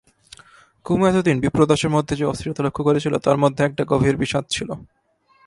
কুমু এতদিন বিপ্রদাসের মধ্যে যে অস্থিরতা লক্ষ্য করেছিল তার মধ্যে একটা গভীর বিষাদ ছিল।